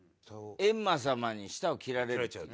閻魔様に舌を切られる。